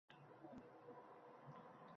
Bir yon esa musulmon.